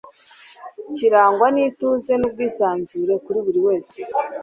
kirangwa n'ituze n'ubwisanzure kuri buri wese